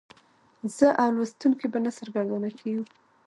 زه او لوستونکی به نه سرګردانه کیږو.